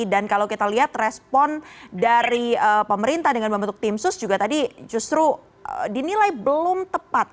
dan kalau kita lihat respon dari pemerintah dengan membentuk tim sus juga tadi justru dinilai belum tepat